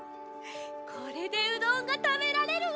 これでうどんがたべられるわ。